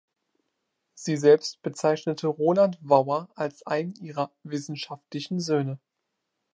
Sie selbst bezeichnete Roland Wauer als einen ihrer „wissenschaftlichen Söhne“.